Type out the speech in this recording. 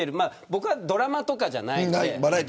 僕はドラマとかじゃないので。